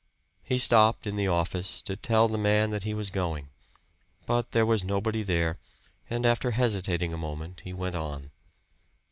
He stopped in the office to tell the man that he was going. But there was nobody there; and after hesitating a moment he went on.